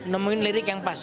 nemuin lirik yang pas